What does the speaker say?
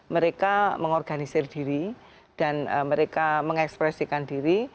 mereka mengorganisir diri dan mereka mengekspresikan diri